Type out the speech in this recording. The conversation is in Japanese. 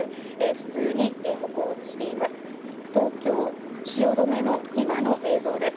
普通に歩行しています。